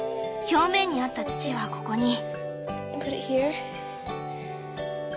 表面にあった土はここに。